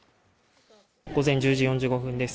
午前１０時４５分です